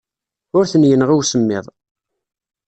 Ur ten-yenɣi usemmiḍ.